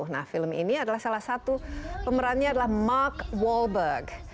nah film ini adalah salah satu pemerannya adalah mark walberg